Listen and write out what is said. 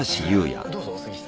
どうぞ杉下さん。